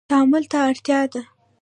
تعامل ته اړتیا ده